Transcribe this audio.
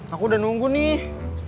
aku udah nunggu nih